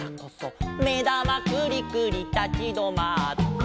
「めだまくりくりたちどまって」